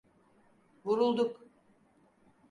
Vurulduk.